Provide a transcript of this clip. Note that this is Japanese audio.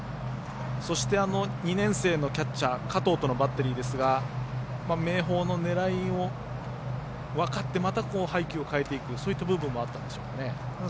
そして２年生のキャッチャー、加藤とのバッテリーですが明豊の狙いを分かってまた配球を変えていくそういった部分もあるでしょうか。